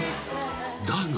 ［だが］